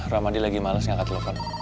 rahmadi lagi males ngangkat telepon